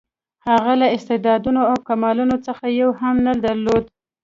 هغه له استعدادونو او کمالونو څخه یو هم نه درلود.